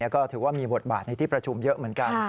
ก็ถือว่ามีบทบาทในที่ประชุมเยอะเหมือนกัน